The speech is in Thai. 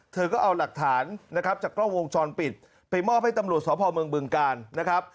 เธอก็เอาหลักฐานนะครับจากกล้องวงจรปิดไปมอบให้ตำรวจสพเมืองบึงกาลนะครับ